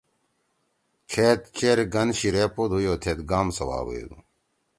کھید چیرگن شِیر ایپوت ہُویو تھیت گام سوابَیدُو۔